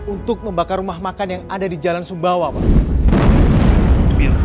untuk membakar rumah makan yang ada di jalan sumbawa pak